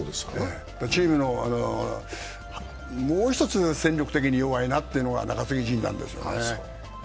チームのもう一つ戦力的に弱いなというのが中継ぎ陣なんですよね。